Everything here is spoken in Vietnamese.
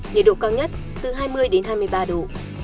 nhiệt độ cao nhất từ hai mươi đến hai mươi ba độ